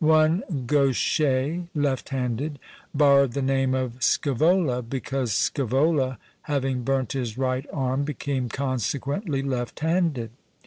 One Gaucher (left handed) borrowed the name of Scevola, because Scevola, having burnt his right arm, became consequently left handed.